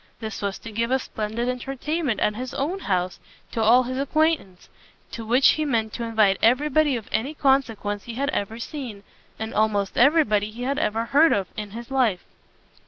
This was to give a splendid entertainment at his own house to all his acquaintance, to which he meant to invite every body of any consequence he had ever seen, and almost every body he had ever heard of, in his life.